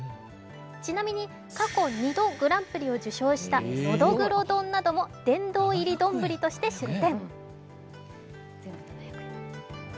ちなみに過去２度グランプリを受賞した、のどぐろ丼なども殿堂入りどんぶりとして出店。